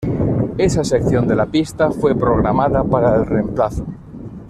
Esa sección de la pista fue programada para el reemplazo.